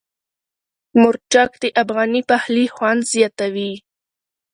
مرچک د افغاني پخلي خوند زیاتوي.